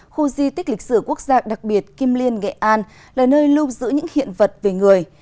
khu di tích lịch sử quốc gia đặc biệt kim liên nghệ an là nơi lưu giữ những hiện vật về người